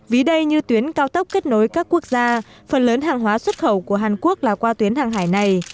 vì đây như tuyến cao tốc kết nối các quốc gia phần lớn hàng hóa xuất khẩu của hàn quốc là qua tuyến hàng hải này